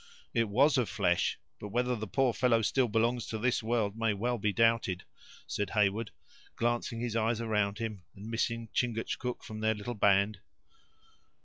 "It was of flesh; but whether the poor fellow still belongs to this world may well be doubted," said Heyward, glancing his eyes around him, and missing Chingachgook from their little band.